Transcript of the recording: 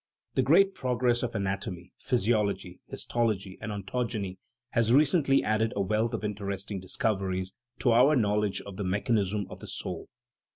The great progress of anatomy, physiology, his tology, and ontogeny has recently added a wealth of interesting discoveries to our knowledge of the mechanism of the soul.